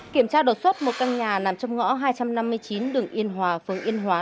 kiểm tra đột xuất một căn nhà nằm trong ngõ hai trăm năm mươi chín đường yên hòa phường yên hòa